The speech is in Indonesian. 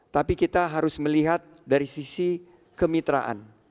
tapi kita harus melihat dari sisi kemitraan